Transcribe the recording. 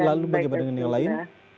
lalu bagaimana dengan yang lain